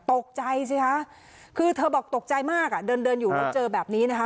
ตกใจสิคะคือเธอบอกตกใจมากอ่ะเดินเดินอยู่แล้วเจอแบบนี้นะคะ